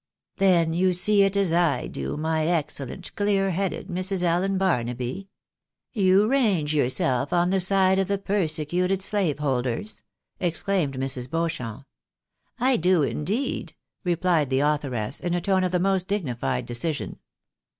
''" Then you see it as I do, my excellent, clear headed Mrs. Allen Barnaby ? You range yourself on the side of the persecuted slave holders? " exclaimed Mrs. Beauchamp. " I do, indeed," rephed the authoress, in a tone of the most dignified decision.